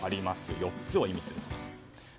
４つを意味すると。